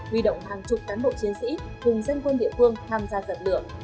huy động hàng chục cán bộ chiến sĩ hùng dân quân địa phương tham gia giật lửa